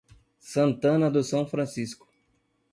Santana do São Francisco